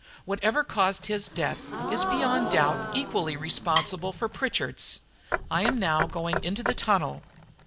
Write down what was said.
Whatever caused his death is, beyond doubt, equally responsible for Pritchard's. I am now going into the tunnel."